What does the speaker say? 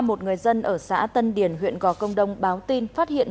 qua một người dân ở xã tân điền huyện gò công đồng báo tin phát hiện